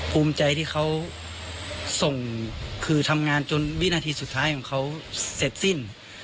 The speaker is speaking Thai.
พรุมใจที่เขาทามงานจนวินาทีสุดท้ายเสร็จสิ้น